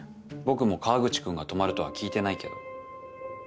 僕も河口君が泊まるとは聞いてないけど。